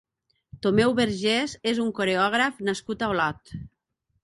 Tomeu Vergès és un coreògraf nascut a Olot.